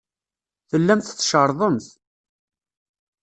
Tellamt tcerrḍemt.